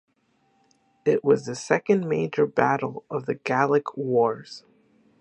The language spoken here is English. It was the second major battle of the Gallic Wars.